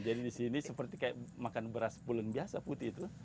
jadi di sini seperti makan beras pulen biasa putih itu